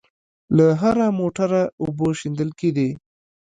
له هره موټره اوبه شېندل کېدې.